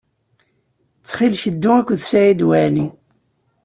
Ttxil-k, ddu akked Saɛid Waɛli.